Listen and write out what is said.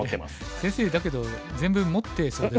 先生だけど全部持ってそうですけどね。